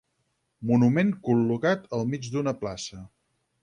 Monument col·locat al mig d'una plaça.